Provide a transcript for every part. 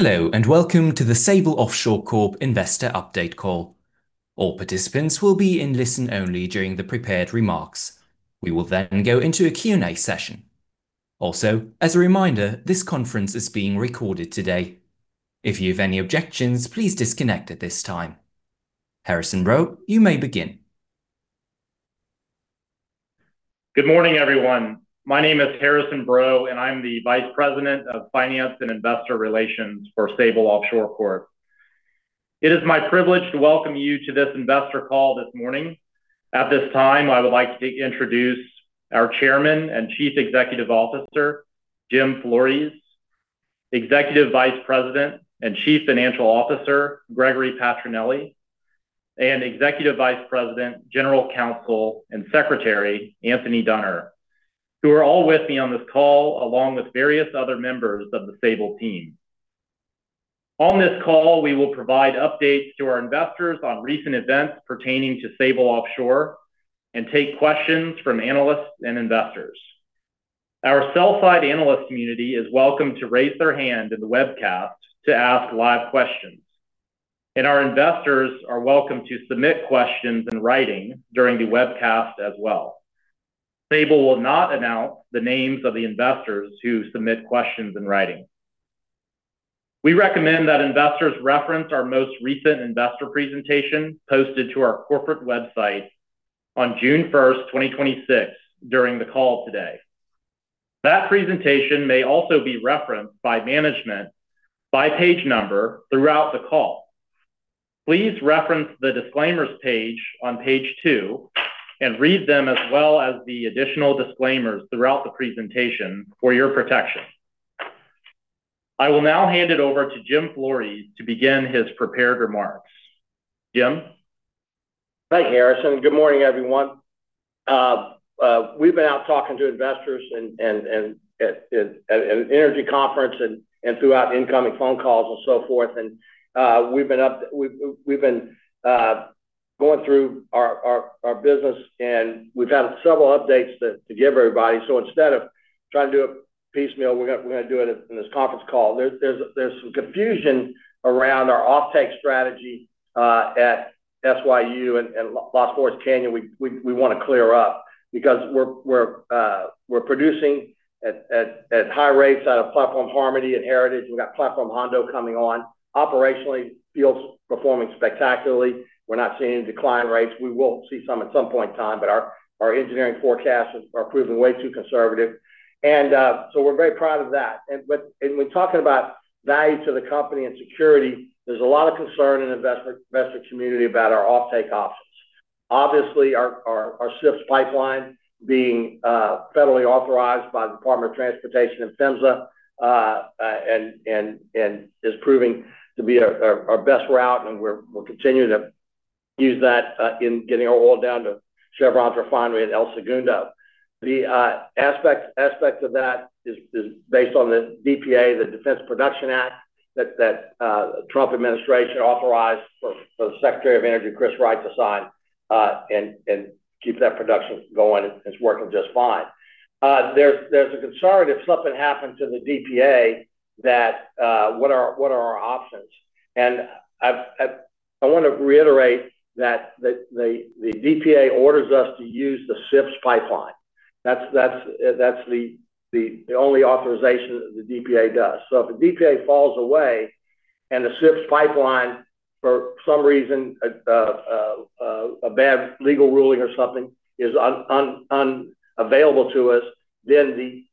Hello, welcome to the Sable Offshore Corp investor update call. All participants will be in listen only during the prepared remarks. We will go into a Q&A session. As a reminder, this conference is being recorded today. If you have any objections, please disconnect at this time. Harrison Breaux, you may begin. Good morning, everyone. My name is Harrison Breaux, and I'm the Vice President of Finance and Investor Relations for Sable Offshore Corp. It is my privilege to welcome you to this investor call this morning. At this time, I would like to introduce our Chairman and Chief Executive Officer, Jim Flores, Executive Vice President and Chief Financial Officer, Gregory Patrinely, and Executive Vice President, General Counsel and Secretary, Anthony Duenner, who are all with me on this call, along with various other members of the Sable team. On this call, we will provide updates to our investors on recent events pertaining to Sable Offshore and take questions from analysts and investors. Our sell-side analyst community is welcome to raise their hand in the webcast to ask live questions. Our investors are welcome to submit questions in writing during the webcast as well. Sable will not announce the names of the investors who submit questions in writing. We recommend that investors reference our most recent investor presentation posted to our corporate website on June 1st, 2026 during the call today. That presentation may also be referenced by management by page number throughout the call. Please reference the disclaimers page on page two and read them as well as the additional disclaimers throughout the presentation for your protection. I will now hand it over to Jim Flores to begin his prepared remarks. Jim? Thanks, Harrison. Good morning, everyone. We've been out talking to investors at an energy conference and throughout incoming phone calls and so forth. We've been going through our business, and we've had several updates to give everybody. Instead of trying to do it piecemeal, we're going to do it in this conference call. There's some confusion around our offtake strategy at SYU and Las Flores Canyon we want to clear up because we're producing at high rates out of Platform Harmony and Heritage. We've got Platform Hondo coming on. Operationally, fields performing spectacularly. We're not seeing any decline rates. We will see some at some point in time, but our engineering forecasts are proving way too conservative. We're very proud of that. When talking about value to the company and security, there's a lot of concern in the investment community about our offtake options. Obviously, our SIFS pipeline being federally authorized by the Department of Transportation and PHMSA, is proving to be our best route, we're continuing to use that in getting our oil down to Chevron's refinery at El Segundo. The aspect of that is based on the DPA, the Defense Production Act, that Trump administration authorized for the Secretary of Energy, Chris Wright, to sign and keep that production going, it's working just fine. There's a concern if something happens in the DPA that what are our options? I want to reiterate that the DPA orders us to use the SIFS pipeline. That's the only authorization the DPA does. If the DPA falls away and the SIFS pipeline, for some reason, a bad legal ruling or something, is unavailable to us, then the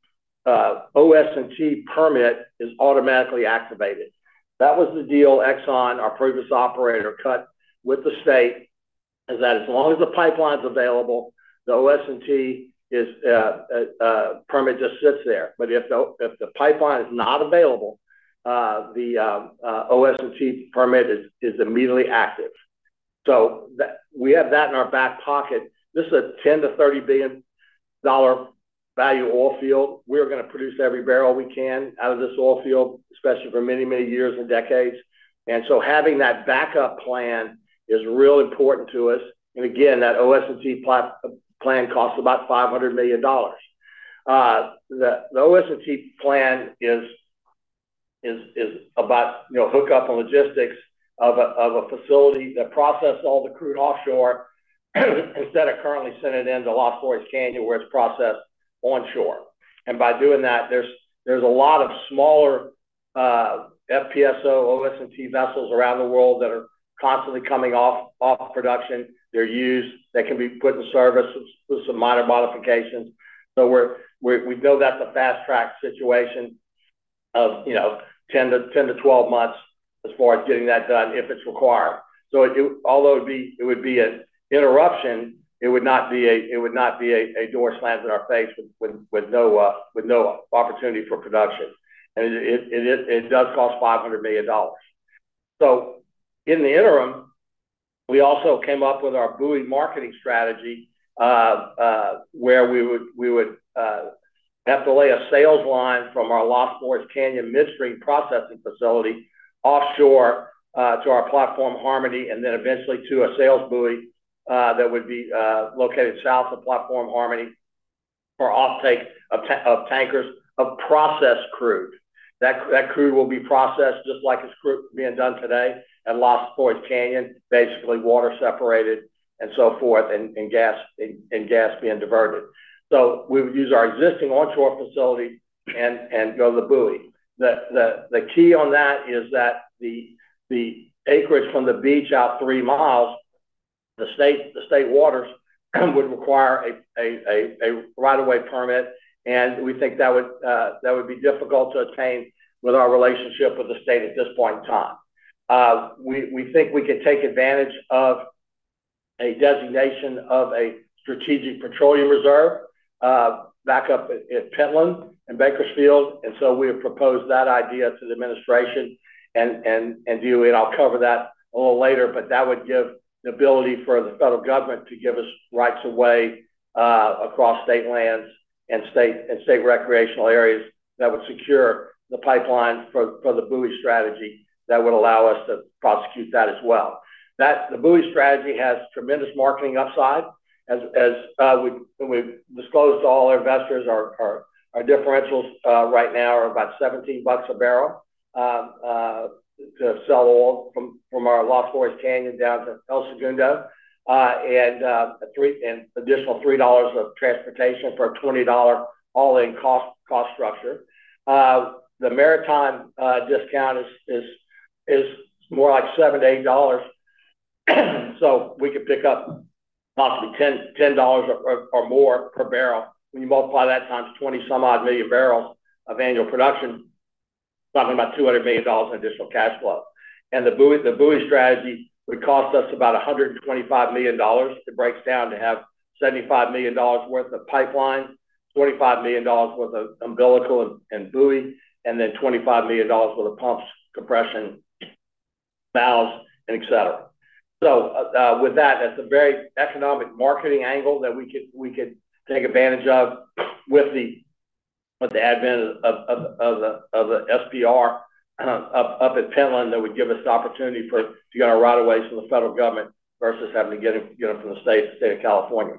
OSNT permit is automatically activated. That was the deal Exxon, our previous operator, cut with the state, is that as long as the pipeline's available, the OSNT permit just sits there. If the pipeline is not available, the OSNT permit is immediately active. We have that in our back pocket. This is a $10 billion-$30 billion value oil field. We're going to produce every barrel we can out of this oil field, especially for many years and decades. Having that backup plan is real important to us. Again, that OSNT plan costs about $500 million. The OSNT plan is about hookup and logistics of a facility that process all the crude offshore instead of currently sending it into Las Flores Canyon, where it's processed onshore. By doing that, there's a lot of smaller FPSO OSNT vessels around the world that are constantly coming off production. They're used. They can be put in service with some minor modifications. We know that's a fast-track situation of 10 - 12 months as far as getting that done if it's required. Although it would be an interruption, it would not be a door slammed in our face with no opportunity for production. It does cost $500 million. In the interim, we also came up with our buoy marketing strategy, where we would have to lay a sales line from our Las Flores Canyon midstream processing facility offshore to our Platform Harmony, then eventually to a sales buoy that would be located south of Platform Harmony For offtake of tankers of processed crude. That crude will be processed just like it's being done today at Las Flores Canyon, basically water separated and so forth, and gas being diverted. We would use our existing onshore facility and go to the buoy. The key on that is that the acreage from the beach out three miles, the state waters would require a right of way permit, and we think that would be difficult to attain with our relationship with the state at this point in time. We think we can take advantage of a designation of a Strategic Petroleum Reserve back up at Pentland and Bakersfield, we have proposed that idea to the administration and DOE, I'll cover that a little later, that would give the ability for the federal government to give us rights of way across state lands and state recreational areas that would secure the pipelines for the buoy strategy that would allow us to prosecute that as well. The buoy strategy has tremendous marketing upside. When we've disclosed to all our investors, our differentials right now are about $17 a barrel to sell oil from our Las Flores Canyon down to El Segundo, and additional $3 of transportation for a $20 all-in cost structure. The maritime discount is more like $7-$8, so we could pick up possibly $10 or more per barrel. When you multiply that times 20-some odd million barrels of annual production, talking about $200 million in additional cash flow. And the buoy strategy would cost us about $125 million. It breaks down to have $75 million worth of pipeline, $25 million worth of umbilical and buoy, and then $25 million worth of pumps, compression, valves, and et cetera. With that's a very economic marketing angle that we could take advantage of with the advent of the SPR up at Pentland that would give us the opportunity to get our right of ways from the federal government versus having to get them from the State of California.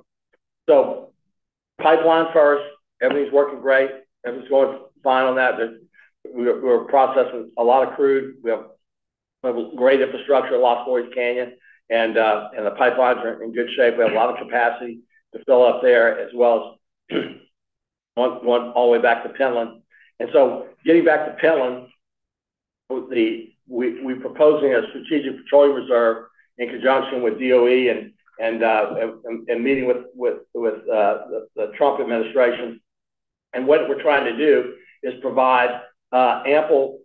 Pipeline first, everything's working great. Everything's going fine on that. We're processing a lot of crude. We have great infrastructure at Las Flores Canyon, and the pipelines are in good shape. We have a lot of capacity to fill up there as well as one all the way back to Pentland. Getting back to Pentland, we're proposing a Strategic Petroleum Reserve in conjunction with DOE and meeting with the Trump Administration. What we're trying to do is provide ample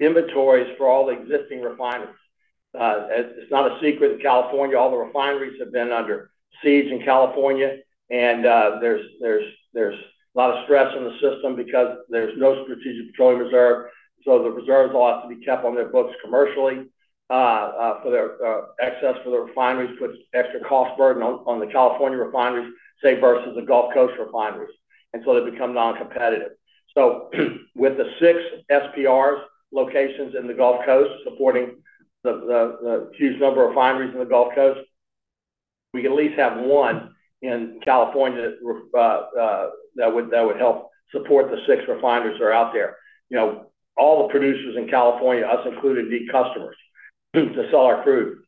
inventories for all the existing refineries. It's not a secret in California, all the refineries have been under siege in California, and there's a lot of stress on the system because there's no Strategic Petroleum Reserve. The reserves all have to be kept on their books commercially. For their excess for the refineries puts extra cost burden on the California refineries, say, versus the Gulf Coast refineries, and so they become non-competitive. With the six SPRs locations in the Gulf Coast supporting the huge number of refineries in the Gulf Coast, we could at least have one in California that would help support the six refineries that are out there. All the producers in California, us included, need customers to sell our crude.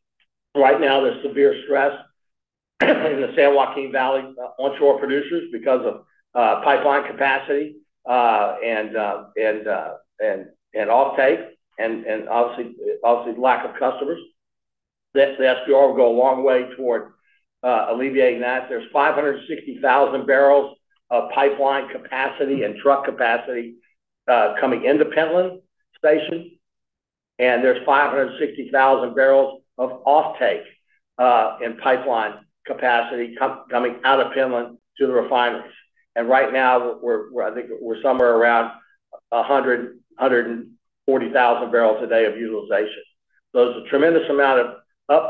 Right now, there's severe stress in the San Joaquin Valley onshore producers because of pipeline capacity and offtake and obviously lack of customers. The SPR will go a long way toward alleviating that. There's 560,000 barrels of pipeline capacity and truck capacity coming into Pentland Station, and there's 560,000 barrels of offtake and pipeline capacity coming out of Pentland to the refineries. Right now, I think we're somewhere around 140,000 barrels a day of utilization. There's a tremendous amount of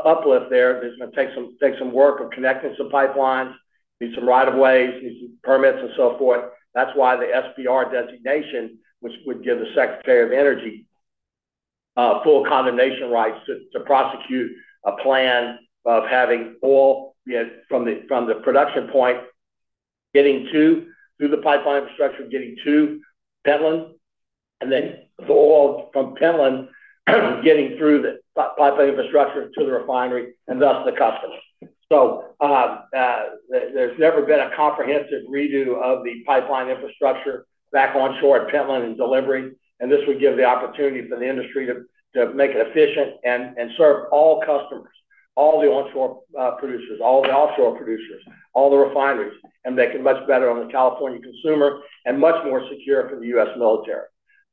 uplift there that's going to take some work of connecting some pipelines, need some right of ways, need some permits, and so forth. That's why the SPR designation, which would give the Secretary of Energy full condemnation rights to prosecute a plan of having oil from the production point getting through the pipeline infrastructure, getting to Pentland, and then the oil from Pentland getting through the pipeline infrastructure to the refinery and thus the customer. There's never been a comprehensive redo of the pipeline infrastructure back onshore at Pentland and delivery. This would give the opportunity for the industry to make it efficient and serve all customers, all the onshore producers, all the offshore producers, all the refineries, and make it much better on the California consumer and much more secure for the U.S. military.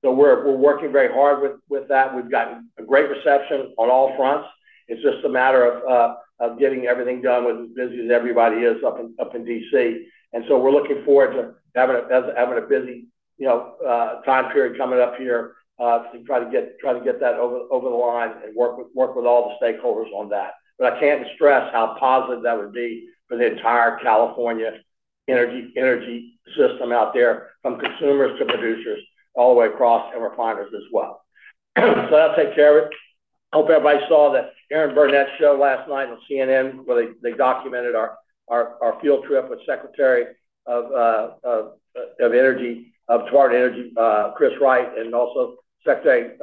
We're working very hard with that. We've gotten a great reception on all fronts. It's just a matter of getting everything done with as busy as everybody is up in D.C. We're looking forward to having a busy time period coming up here to try to get that over the line and work with all the stakeholders on that. I can't stress how positive that would be for the entire California energy system out there, from consumers to producers all the way across, and refineries as well. That takes care of it. Hope everybody saw the Erin Burnett show last night on CNN, where they documented our field trip with Secretary of Energy, U.S. Department of Energy, Chris Wright, and also Secretary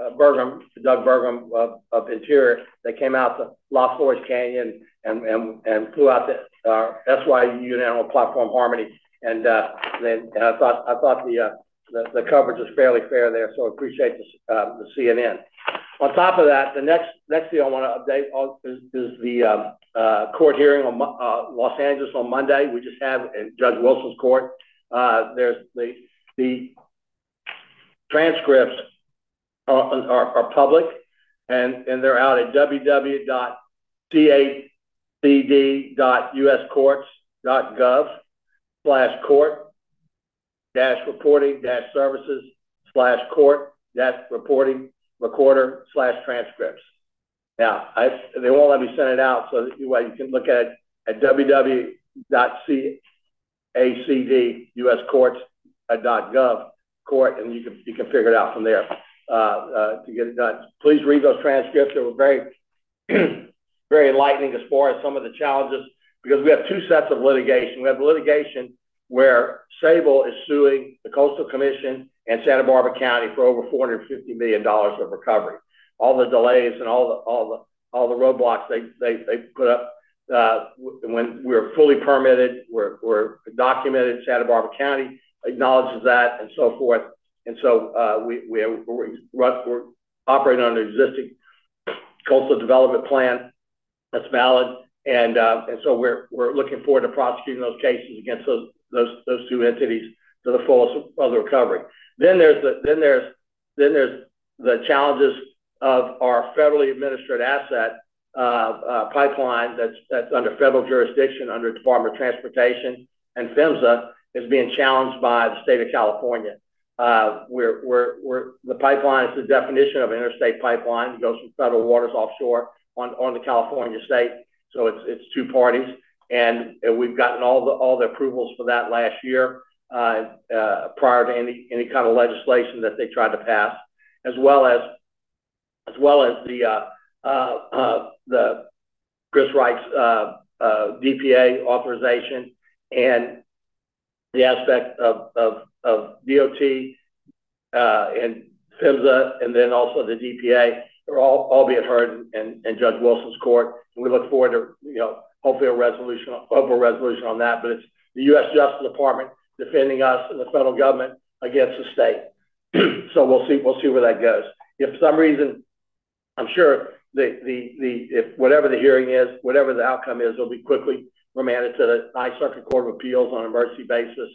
Burgum, Doug Burgum of Interior. They came out to Las Flores Canyon and flew out to our SYU platform, Harmony. I thought the coverage was fairly fair there. Appreciate the CNN. On top of that, the next thing I want to update on is the court hearing on L.A. on Monday we just had in Judge Wilson's court. The transcripts are public, and they're out at www.cd.uscourts.gov/court-reporting-services/court-reporting-recorder/transcripts. They won't let me send it out, either way, you can look at it at www.cd.uscourts.gov/court, and you can figure it out from there to get it done. Please read those transcripts. They were very enlightening as far as some of the challenges, because we have two sets of litigation. We have the litigation where Sable is suing the Coastal Commission and Santa Barbara County for over $450 million of recovery. All the delays and all the roadblocks they put up when we're fully permitted, we're documented, Santa Barbara County acknowledges that, and so forth. We're operating on an existing coastal development plan that's valid. We're looking forward to prosecuting those cases against those two entities to the fullest of the recovery. There's the challenges of our federally administered asset pipeline that's under federal jurisdiction under Department of Transportation. PHMSA is being challenged by the state of California, where the pipeline is the definition of interstate pipeline. It goes from federal waters offshore onto California state. It's two parties. We've gotten all the approvals for that last year, prior to any kind of legislation that they tried to pass, as well as Chris Wright's DPA authorization and the aspect of DOT and PHMSA and then also the DPA are all being heard in Judge Wilson's court. We look forward to hopefully a resolution on that. It's the U.S. Justice Department defending us and the federal government against the state. We'll see where that goes. If for some reason, I'm sure, if whatever the hearing is, whatever the outcome is, it'll be quickly remanded to the Ninth Circuit Court of Appeals on an emergency basis.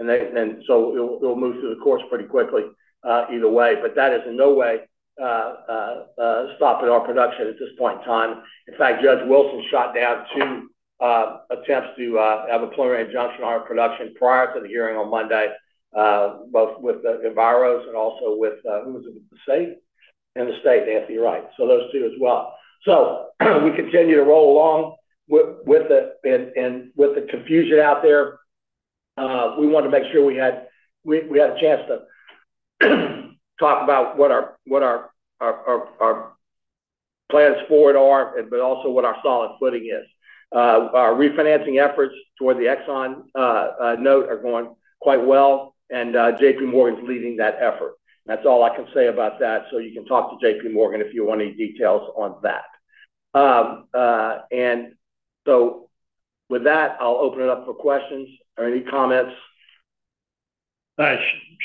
It'll move through the course pretty quickly either way, but that is in no way stopping our production at this point in time. In fact, Judge Wilson shot down two attempts to have a preliminary injunction on our production prior to the hearing on Monday, both with the Enviros and also with, who was it? The state? The state, Nancy Wright. Those two as well. We continue to roll along with the confusion out there. We wanted to make sure we had a chance to talk about what our plans forward are, but also what our solid footing is. Our refinancing efforts toward the Exxon note are going quite well, and JP Morgan's leading that effort. That's all I can say about that. You can talk to JP Morgan if you want any details on that. With that, I'll open it up for questions or any comments.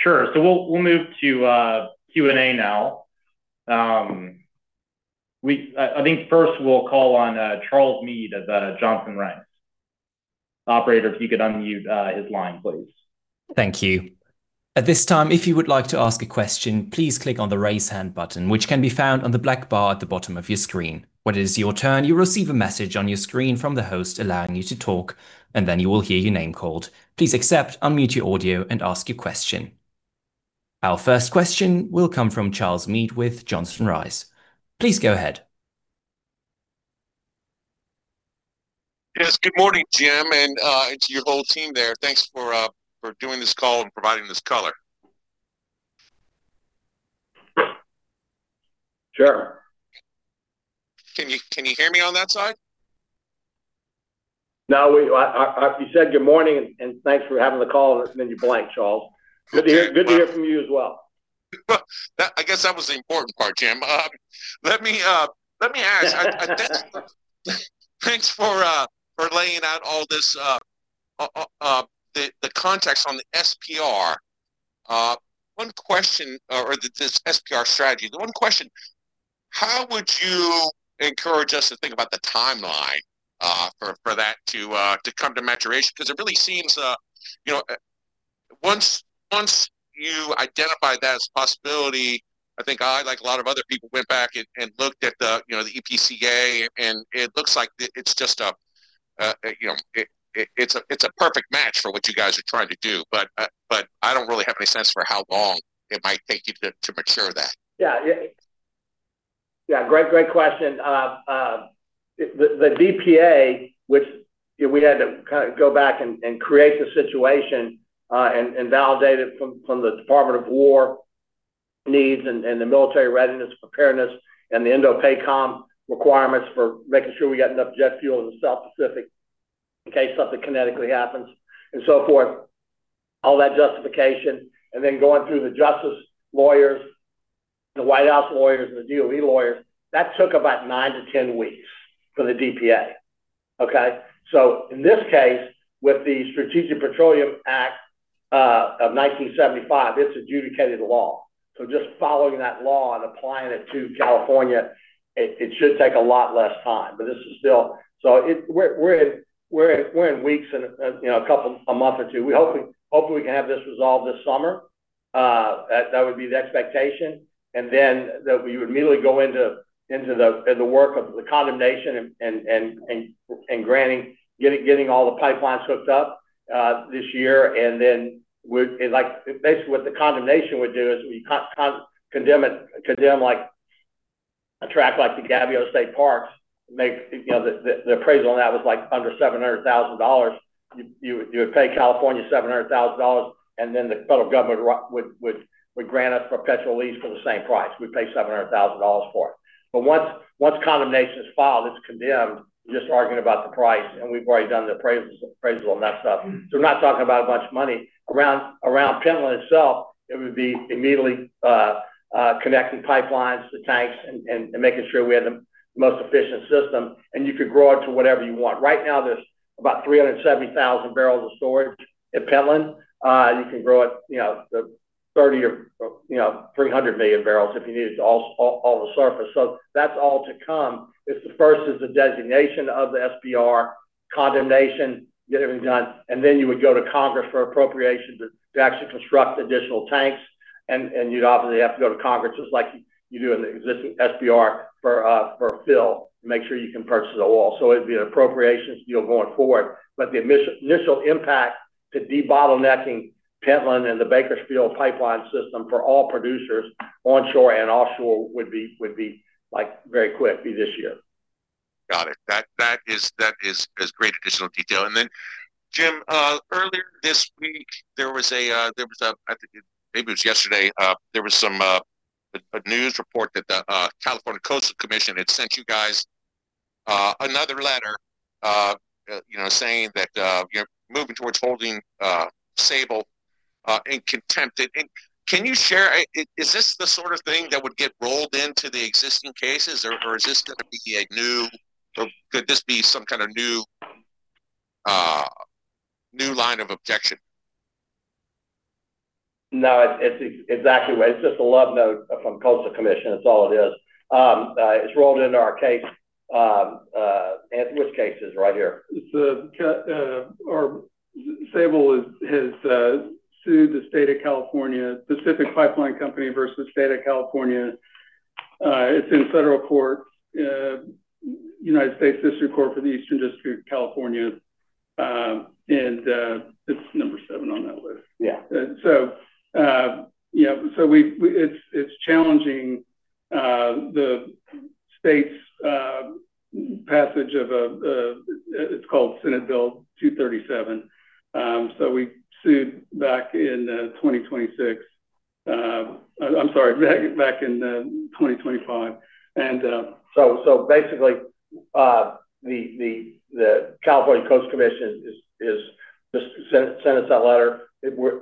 Sure. We'll move to Q&A now. I think first we'll call on Charles Meade of Johnson Rice. Operator, if you could unmute his line, please. Thank you. At this time, if you would like to ask a question, please click on the raise hand button, which can be found on the black bar at the bottom of your screen. When it is your turn, you'll receive a message on your screen from the host allowing you to talk, then you will hear your name called. Please accept, unmute your audio, and ask your question. Our first question will come from Charles Meade with Johnson Rice. Please go ahead. Yes. Good morning, Jim, and to your whole team there. Thanks for doing this call and providing this color. Sure. Can you hear me on that side? No. You said good morning and thanks for having the call, and then you're blank, Charles. Good to hear from you as well. I guess that was the important part, Jim. Let me ask. Thanks for laying out all this, the context on the SPR. One question, or this SPR strategy. The one question, how would you encourage us to think about the timeline for that to come to maturation? It really seems, once you identify that as a possibility, I think I, like a lot of other people, went back and looked at the EPCA, and it looks like it's a perfect match for what you guys are trying to do. I don't really have any sense for how long it might take you to mature that. Yeah. Great question. The DPA, which we had to go back and create the situation and validate it from the Department of War needs and the military readiness, preparedness, and the INDOPACOM requirements for making sure we got enough jet fuel in the South Pacific in case something kinetically happens, and so forth, all that justification. Going through the justice lawyers, the White House lawyers, and the DOE lawyers, that took about 9-10 weeks for the DPA. Okay? In this case, with the Strategic Petroleum Act of 1975, it's adjudicated law. Just following that law and applying it to California, it should take a lot less time, but this is still, we're in weeks and a month or two. Hopefully, we can have this resolved this summer. That would be the expectation. That we would immediately go into the work of the condemnation and granting, getting all the pipelines hooked up this year. Basically what the condemnation would do is we condemn a track like the Gaviota State Park, the appraisal on that was under $700,000. You would pay California $700,000, and the federal government would grant us perpetual lease for the same price. We pay $700,000 for it. Once condemnation is filed, it's condemned, we're just arguing about the price, and we've already done the appraisal on that stuff. We're not talking about a bunch of money. Around Pentland itself, it would be immediately connecting pipelines to tanks and making sure we have the most efficient system, and you could grow it to whatever you want. Right now, there's about 370,000 barrels of storage at Pentland. You can grow it to 30 or 300 million barrels if you needed all the surface. That's all to come. The first is the designation of the SPR condemnation, get everything done, and you would go to Congress for appropriations to actually construct additional tanks, and you'd obviously have to go to Congress just like you do in the existing SPR for fill to make sure you can purchase oil. It'd be an appropriations deal going forward. The initial impact to de-bottlenecking Pentland and the Bakersfield pipeline system for all producers onshore and offshore would be very quick, be this year. Got it. That is great additional detail. Jim, earlier this week, maybe it was yesterday, there was a news report that the California Coastal Commission had sent you guys another letter saying that you're moving towards holding Sable in contempt. Is this the sort of thing that would get rolled into the existing cases, or could this be some kind of new line of objection? No, it's exactly right. It's just a love note from Coastal Commission. It's all it is. It's rolled into our case. Which case is right here? Sable has sued the State of California, Pacific Pipeline Company versus the State of California. It's in federal court, United States District Court for the Central District of California. It's number seven on that list. Yeah. It's challenging the State's passage of It's called Senate Bill 237. We sued back in 2026. I'm sorry, back in 2025. Basically, the California Coastal Commission just sent us that letter.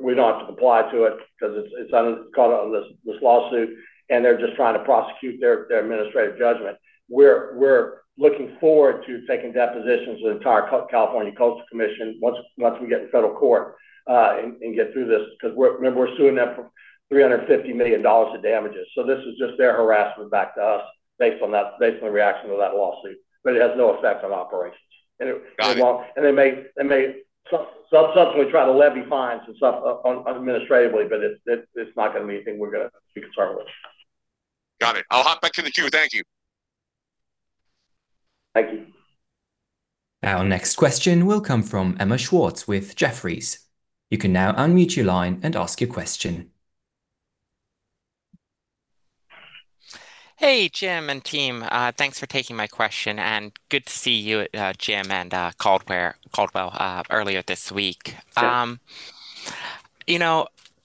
We don't have to reply to it because it's caught on this lawsuit, they're just trying to prosecute their administrative judgment. We're looking forward to taking depositions of the entire California Coastal Commission once we get in federal court and get through this, because remember, we're suing them for $350 million of damages. This is just their harassment back to us based on the reaction to that lawsuit, but it has no effect on operations. Got it. They may subsequently try to levy fines and stuff administratively, but it's not going to be anything we're going to be concerned with. Got it. I'll hop back to the queue. Thank you. Thank you. Our next question will come from Emma Schwartz with Jefferies. You can now unmute your line and ask your question. Hey, Jim and team. Thanks for taking my question, good to see you, Jim and Caldwell, earlier this week. Sure.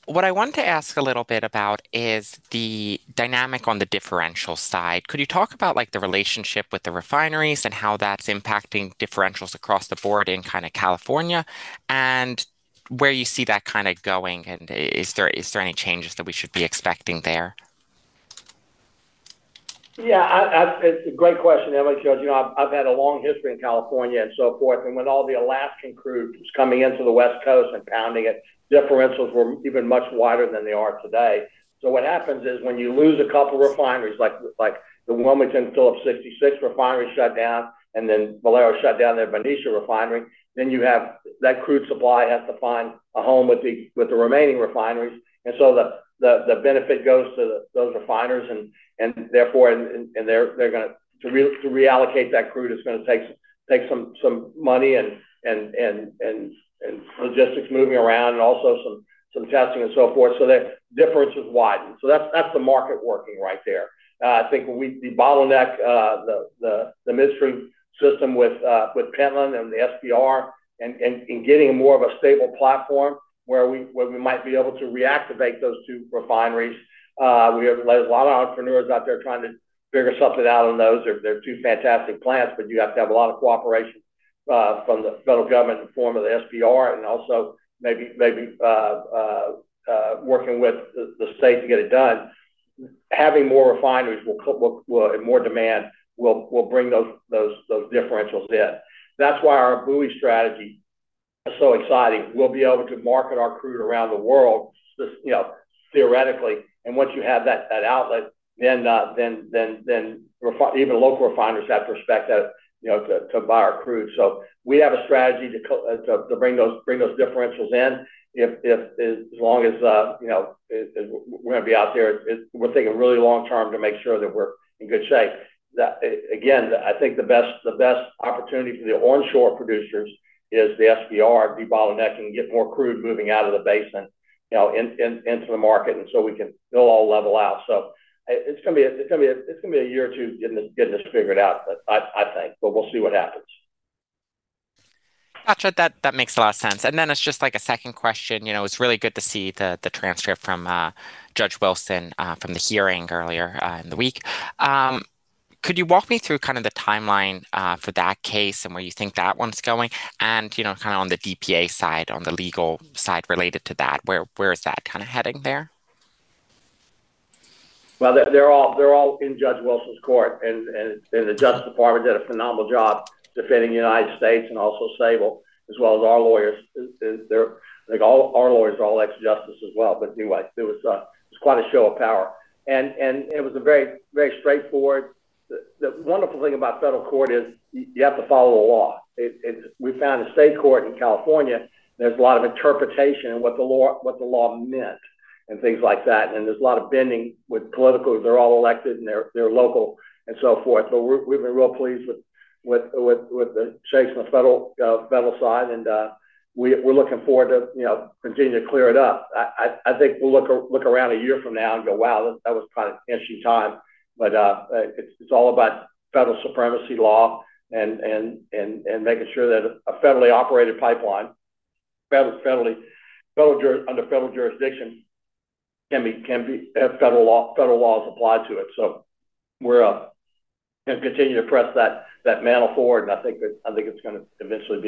What I wanted to ask a little bit about is the dynamic on the differential side. Could you talk about the relationship with the refineries and how that's impacting differentials across the board in California, where you see that going, is there any changes that we should be expecting there? Yeah. It's a great question, Emma, because I've had a long history in California and so forth, when all the Alaskan crude was coming into the West Coast and pounding it, differentials were even much wider than they are today. What happens is when you lose a couple refineries, like the Wilmington Phillips 66 refinery shut down, Valero shut down their Benicia refinery, that crude supply has to find a home with the remaining refineries. The benefit goes to those refiners and therefore to reallocate that crude, it's going to take some money and logistics moving around and also some testing and so forth. The difference has widened. That's the market working right there. I think when we de-bottleneck the mystery system with Pentland and the SPR and getting more of a stable platform where we might be able to reactivate those two refineries. We have a lot of entrepreneurs out there trying to figure something out on those. They're two fantastic plants, but you have to have a lot of cooperation from the federal government in the form of the SPR and also maybe working with the state to get it done. Having more refineries and more demand will bring those differentials in. That's why our buoy strategy is so exciting. We'll be able to market our crude around the world theoretically. Once you have that outlet, then even local refiners have to respect that to buy our crude. We have a strategy to bring those differentials in as long as we're going to be out there. We're thinking really long-term to make sure that we're in good shape. Again, I think the best opportunity for the onshore producers is the SPR de-bottlenecking, get more crude moving out of the basin into the market, so we can all level out. It's going to be a year or two getting this figured out, I think. We'll see what happens. Got you. That makes a lot of sense. It's just a second question. It's really good to see the transcript from Judge Wilson from the hearing earlier in the week. Could you walk me through the timeline for that case and where you think that one's going and on the DPA side, on the legal side related to that, where is that heading there? They're all in Judge Wilson's court, and the Justice Department did a phenomenal job defending the United States and also Sable, as well as our lawyers. I think all our lawyers are all ex Justice as well. It was quite a show of power, and it was very straightforward. The wonderful thing about federal court is you have to follow the law. We found a state court in California, there's a lot of interpretation on what the law meant and things like that, there's a lot of bending with political. They're all elected, and they're local, and so forth. We've been real pleased with the shakes in the federal side, and we're looking forward to continue to clear it up. I think we'll look around a year from now and go, "Wow, that was an interesting time." It's all about federal supremacy law and making sure that a federally operated pipeline under federal jurisdiction have federal laws applied to it. We're going to continue to press that mantle forward, I think it's going to eventually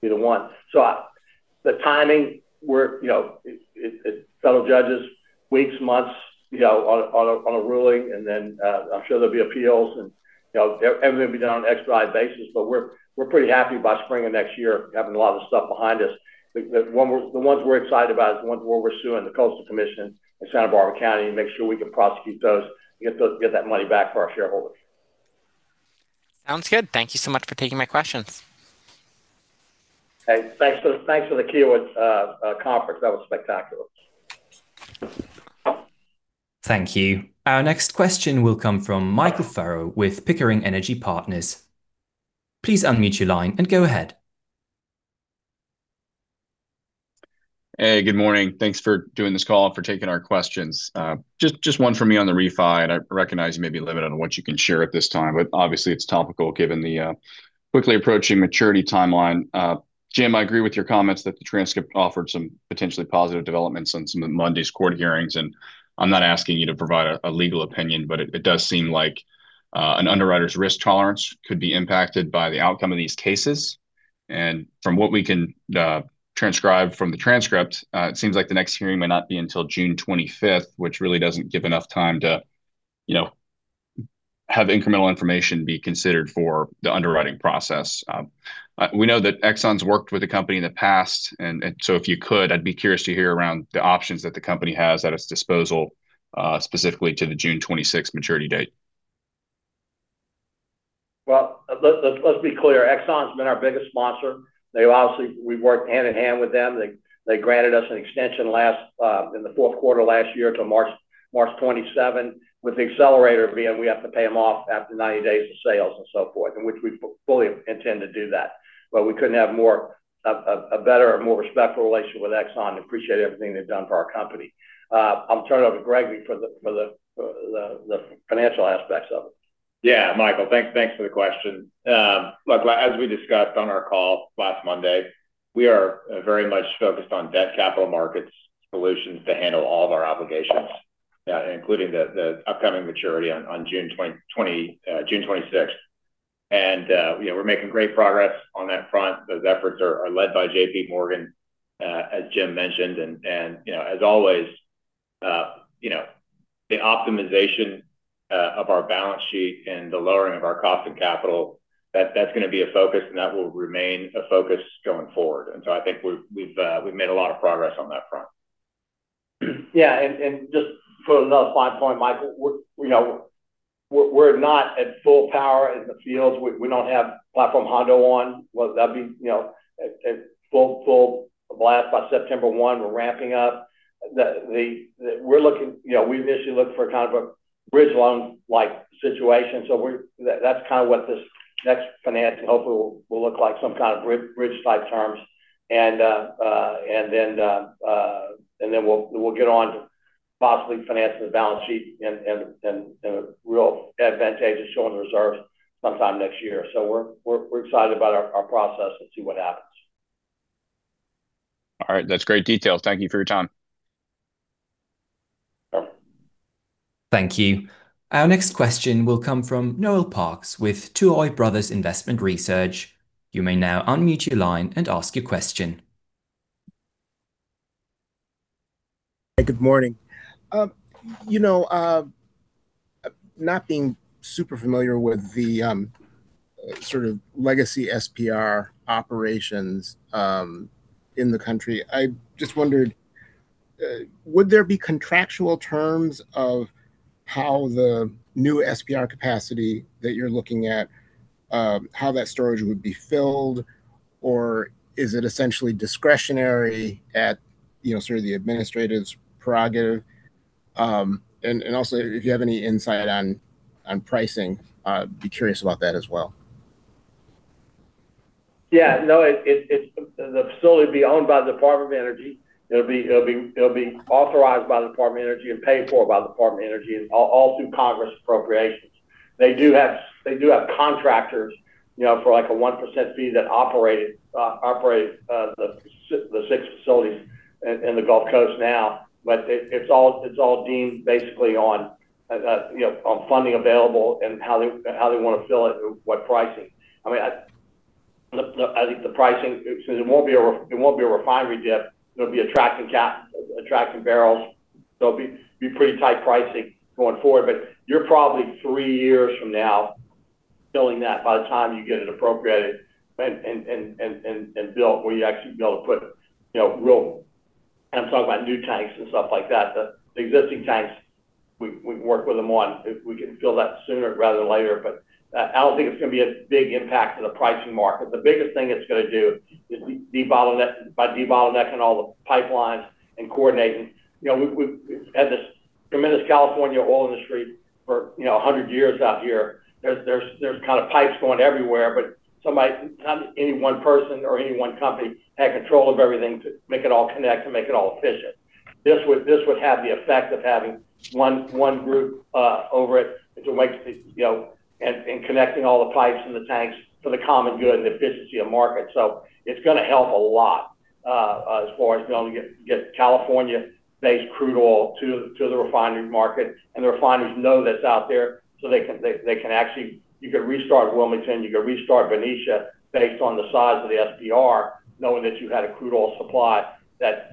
be the one. The timing, federal judges, weeks, months, on a ruling, then I'm sure there'll be appeals, everything will be done on an ex-parte basis. We're pretty happy about spring of next year, having a lot of the stuff behind us. The ones we're excited about is the ones where we're suing the Coastal Commission in Santa Barbara County to make sure we can prosecute those to get that money back for our shareholders. Sounds good. Thank you so much for taking my questions. Hey, thanks for the KeyBanc conference. That was spectacular. Thank you. Our next question will come from Michael Ferro with Pickering Energy Partners. Please unmute your line and go ahead. Hey, good morning. Thanks for doing this call and for taking our questions. Just one from me on the refi. I recognize you may be limited on what you can share at this time, but obviously it's topical given the quickly approaching maturity timeline. Jim, I agree with your comments that the transcript offered some potentially positive developments on some of Monday's court hearings. I'm not asking you to provide a legal opinion, but it does seem like an underwriter's risk tolerance could be impacted by the outcome of these cases. From what we can transcribe from the transcript, it seems like the next hearing may not be until June 25th, which really doesn't give enough time to have incremental information be considered for the underwriting process. We know that Exxon's worked with the company in the past. If you could, I'd be curious to hear around the options that the company has at its disposal, specifically to the June 26 maturity date. Well, let's be clear. Exxon's been our biggest sponsor. Obviously, we've worked hand in hand with them. They granted us an extension in the Q4 last year till March 27th. With the accelerator being we have to pay them off after 90 days of sales and so forth, which we fully intend to do that. We couldn't have a better or more respectful relationship with Exxon. Appreciate everything they've done for our company. I'll turn it over to Gregory for the financial aspects of it. Yeah, Michael, thanks for the question. Look, as we discussed on our call last Monday, we are very much focused on debt capital markets solutions to handle all of our obligations, including the upcoming maturity on June 26th. We're making great progress on that front. Those efforts are led by JP Morgan, as Jim mentioned. As always the optimization of our balance sheet and the lowering of our cost of capital, that's going to be a focus, and that will remain a focus going forward. I think we've made a lot of progress on that front. Just for another fine point, Michael, we're not at full power in the fields. We don't have Platform Hondo on. That'd be a full blast by September 1. We're ramping up. We initially looked for a kind of a bridge loan situation. That's what this next finance hopefully will look like, some kind of bridge-like terms. Then we'll get on to possibly financing the balance sheet in a real advantageous showing reserves sometime next year. We're excited about our process and see what happens. All right. That's great details. Thank you for your time. Sure. Thank you. Our next question will come from Noel Parks with Tuohy Brothers Investment Research. You may now unmute your line and ask your question. Hey, good morning. Not being super familiar with the sort of legacy SPR operations in the country, I just wondered, would there be contractual terms of how the new SPR capacity that you're looking at, how that storage would be filled, or is it essentially discretionary at sort of the administrator's prerogative? Also, if you have any insight on pricing, I'd be curious about that as well. Yeah. No, the facility will be owned by the Department of Energy. It'll be authorized by the Department of Energy and paid for by the Department of Energy, all through Congress appropriations. They do have contractors for like a one percent fee that operate the six facilities in the Gulf Coast now. It's all deemed basically on funding available and how they want to fill it and what pricing. Since it won't be a refinery dip, it'll be attracting barrels. It'll be pretty tight pricing going forward. You're probably three years from now filling that by the time you get it appropriated and built, where you actually be able to put real I'm talking about new tanks and stuff like that. The existing tanks, we can work with them on. We can fill that sooner rather than later. I don't think it's going to be a big impact to the pricing market. The biggest thing it's going to do is by de-bottlenecking all the pipelines and coordinating. We've had this tremendous California oil industry for 100 years out here. There's kind of pipes going everywhere, but any one person or any one company had control of everything to make it all connect and make it all efficient. This would have the effect of having one group over it, and connecting all the pipes and the tanks for the common good and efficiency of market. It's going to help a lot as far as being able to get California-based crude oil to the refinery market. The refineries know that's out there, so you could restart Wilmington, you could restart Benicia based on the size of the SPR, knowing that you had a crude oil supply that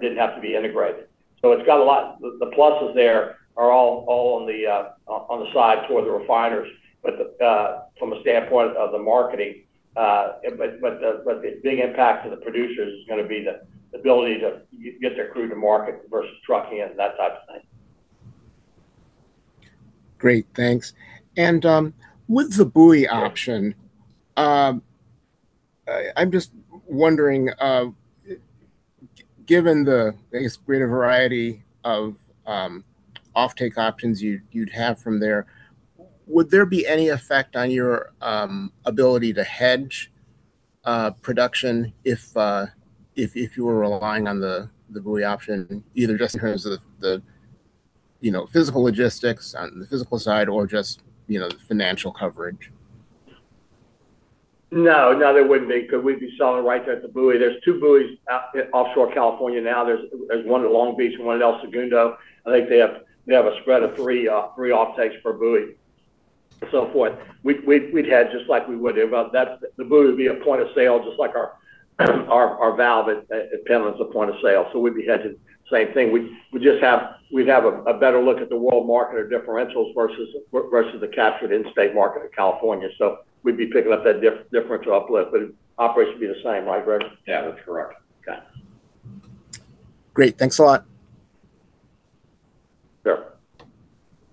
didn't have to be integrated. The pluses there are all on the side toward the refiners from a standpoint of the marketing. The big impact to the producers is going to be the ability to get their crude to market versus trucking and that type of thing. Great, thanks. With the buoy option, I'm just wondering, given the, I guess, greater variety of off-take options you'd have from there, would there be any effect on your ability to hedge production if you were relying on the buoy option, either just in terms of the physical logistics on the physical side or just the financial coverage? No, there wouldn't be, because we'd be selling right there at the buoy. There's two buoys out offshore California now. There's one at Long Beach and one at El Segundo. I think they have a spread of three off-takes per buoy, and so forth. We'd hedge just like we would. The buoy would be a point of sale, just like our valve at Pendleton is a point of sale. We'd be hedging. Same thing. We'd have a better look at the world market or differentials versus the captured in-state market of California. We'd be picking up that differential uplift, but it operates to be the same, right, Greg? Yeah, that's correct. Okay. Great. Thanks a lot. Sure.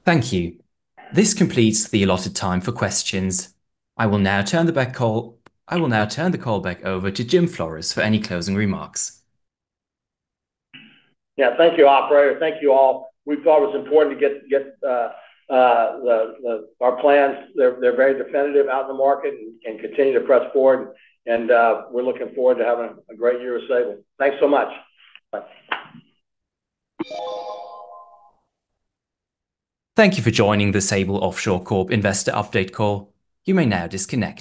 Thank you. This completes the allotted time for questions. I will now turn the call back over to Jim Flores for any closing remarks. Yeah. Thank you, operator. Thank you all. We thought it was important to get our plans. They're very definitive out in the market and continue to press forward, and we're looking forward to having a great year of Sable. Thanks so much. Bye. Thank you for joining the Sable Offshore Corp Investor update call. You may now disconnect.